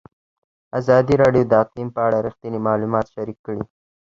ازادي راډیو د اقلیم په اړه رښتیني معلومات شریک کړي.